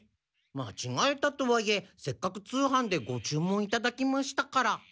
まちがえたとはいえせっかく通販でご注文いただきましたから。